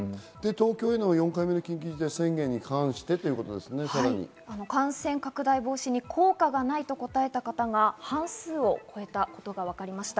東京への４回目の緊急事態宣感染拡大防止に効果がないと答えた方が半数を超えたことが分かりました。